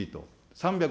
３００